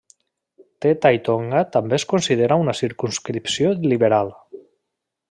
Te Tai Tonga també es considera una circumscripció liberal.